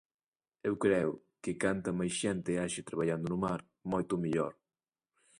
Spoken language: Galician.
Eu creo que canta máis xente haxa traballando no mar, moito mellor.